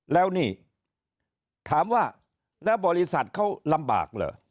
แล้วนี่ถามว่าแล้วบริษัทเขาลำบากเหรอ